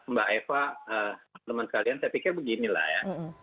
mbak eva teman teman sekalian saya pikir beginilah ya